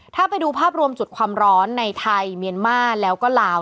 ถ้าไปดูภาพรวมจุดความร้อนในไทยเมียนมาแล้วก็ลาว